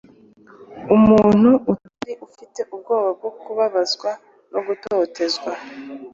umuntu utari ufite ubwoba bwo kubabazwa no gutotezwa